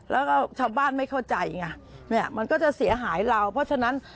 แล้วก็ชาวบ้านไม่เข้าใจไงเนี่ยมันก็จะเสียหายเราเพราะฉะนั้น